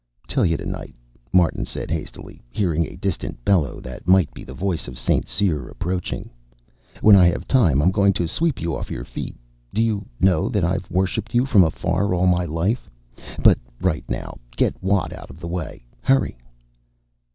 "Tell you tonight," Martin said hastily, hearing a distant bellow that might be the voice of St. Cyr approaching. "When I have time I'm going to sweep you off your feet. Did you know that I've worshipped you from afar all my life? But right now, get Watt out of the way. Hurry!"